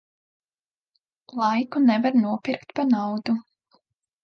Laiku nevar nopirkt pa naudu.